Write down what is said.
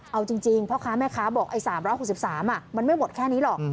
เอาจริงพ่อค้าแม่ค้าบอกไอ้๓๖๓มันไม่หมดแค่นี้หรอก